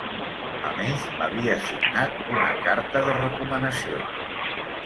A més, m’havia signat una carta de recomanació.